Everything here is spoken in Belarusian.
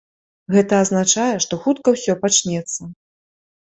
Гэта азначае, што хутка ўсё пачнецца.